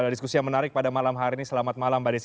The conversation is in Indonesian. diskusi yang menarik pada malam hari ini selamat malam mbak desi